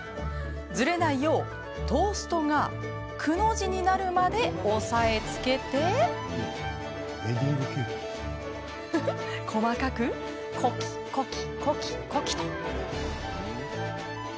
ずれないよう、トーストがくの字になるまで押さえつけて細かくコキコキ。